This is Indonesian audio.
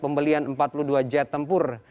pembelian empat puluh dua jet tempur